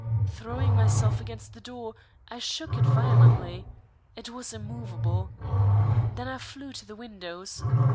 Throwing myself against the door, I shook it violently. It was immovable. Then I flew to the windows.